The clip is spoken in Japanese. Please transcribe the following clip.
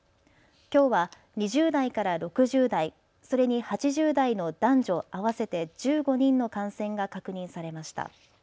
きょうは２０代から６０代、それに８０代の男女合わせて１５人の感染が確認されました。